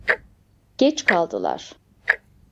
Geç kaldılar.